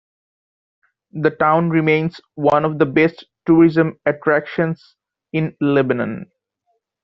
The town remains one of the best tourism attractions in Lebanon.